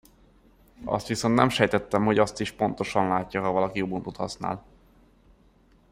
Azt viszont nem sejtettem, hogy azt is pontosan látja, ha valaki Ubuntut használ.